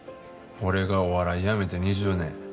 俺がお笑いやめて２０年。